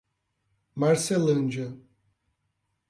Marcelândia